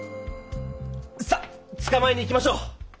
さっつかまえに行きましょう！